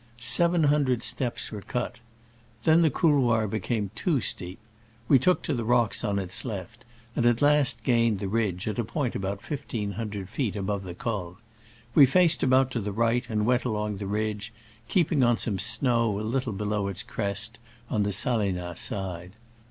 Seven hundred steps were cut. Then the cou loir became too steep. We took to the rocks on its left, and at last gained the ridge, at a point about fifteen hundred feet above the col. We faced about to the right and went along the ridge, keeping on some snow a little below its crest, on the Saleinoz side.